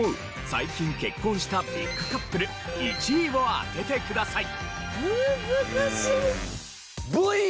最近結婚したビッグカップル１位を当ててください。